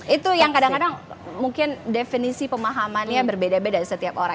itu yang kadang kadang mungkin definisi pemahamannya berbeda beda setiap orang